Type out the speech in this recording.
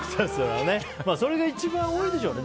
それが一番多いでしょうね